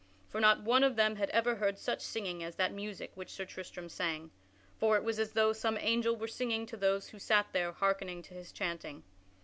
For not one of them had ever heard such singing as that music which Sir Tristram sang; for it was as though some angel were singing to those who sat there harkening to his chanting.